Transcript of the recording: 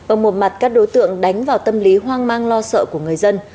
ở một mặt các đối tượng đánh vào tâm lý hoang mang lo sợ của người dân